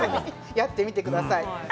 やってみてください。